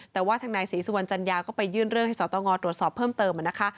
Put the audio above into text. แต่ว่าทางนายศรีสุวรรณจัญญาก็ไปยื่นเรื่องให้สตงตรวจสอบเพิ่มเติมนะคะ